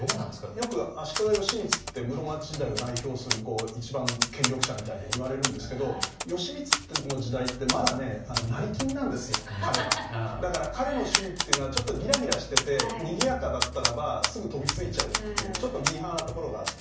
よく足利義満って室町時代を代表する一番権力者みたいにいわれるんですけどだから彼の趣味っていうのはちょっとギラギラしててにぎやかだったらばすぐ飛びついちゃうっていうちょっとミーハーなところがあって。